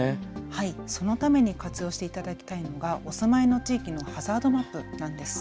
はい、そのために活用していただきたいのがお住まいの地域のハザードマップなんです。